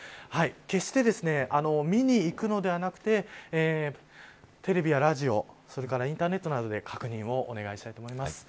決して、見に行くのではなくてテレビやラジオそれからインターネットなどで確認をお願いしたいと思います。